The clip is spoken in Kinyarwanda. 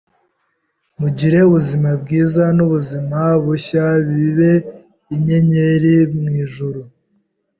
Mugire Ubuzima bwiza nubuzima bushya bibe inyenyeri mwijuru